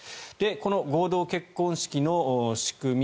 この合同結婚式の仕組み